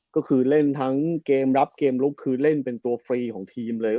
ก็คือเล่นทั้งเกมรับเกมลุกคือเล่นเป็นตัวฟรีของทีมเลย